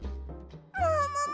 ももも！